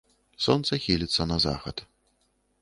Сонца хіліцца на захад.